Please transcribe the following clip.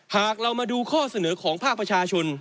หากเรามาดูข้อเสนอของภาคประชาชน